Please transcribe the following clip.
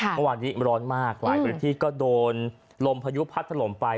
เมื่อวานนี้ร้อนมากหลายพื้นที่ก็โดนลมพายุพัดถล่มไป